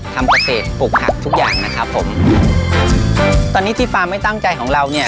ทำเกษตรปลูกผักทุกอย่างนะครับผมตอนนี้ที่ฟาร์มไม่ตั้งใจของเราเนี่ย